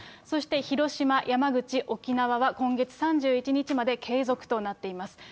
そして広島、山口、沖縄は今月３１日まで継続となっています。